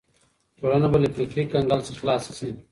ټولنه به له فکري کنګل څخه خلاصه سي.